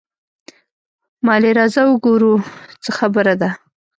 مالې راځه وګوره څه خبره ده.